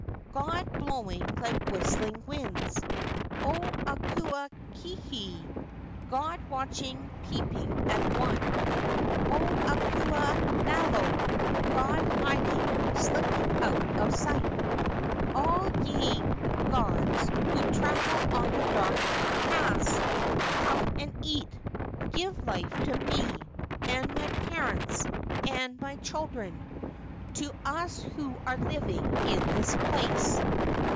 [god blowing like whistling winds] O Akua kiei! [god watching, peeping at one] O Akua nalo! [god hiding, slipping out of sight] O All ye Gods, who travel on the dark night paths! Come and eat. Give life to me, And my parents, And my children, To us who are living in this place.